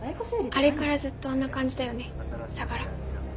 あれからずっとあんな感じだよね相楽。